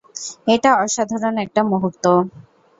এটা অসাধারণ একটা মুহূর্ত!